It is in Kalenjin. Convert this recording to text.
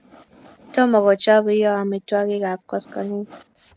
Tomo kochob iyoo amaitwogik ab koskoliny